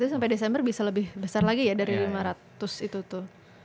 sampai desember bisa lebih besar lagi ya dari lima ratus itu tuh